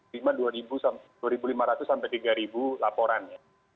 cuma dua lima ratus sampai tiga laporannya